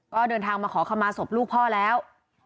ก็เดินทางมาขอคำมาศพลูกพ่อแล้ว